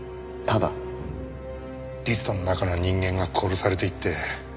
リストの中の人間が殺されていって。